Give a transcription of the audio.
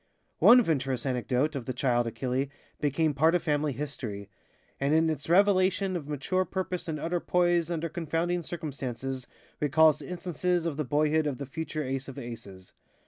One venturous anecdote of the child Achille became part of family history, and in its revelation of mature purpose and utter poise under confounding circumstances recalls instances of the boyhood of the future Ace of Aces.